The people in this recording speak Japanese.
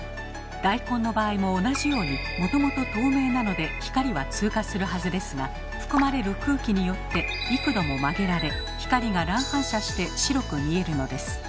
大根の場合も同じようにもともと透明なので光は通過するはずですが含まれる空気によって幾度も曲げられ光が乱反射して白く見えるのです。